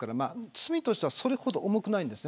罪としてはそれほど重くないんです。